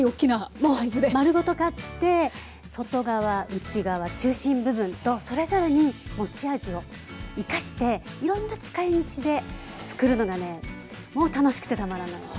もう丸ごと買って外側内側中心部分とそれぞれに持ち味を生かしていろんな使いみちでつくるのがねもう楽しくてたまらないです。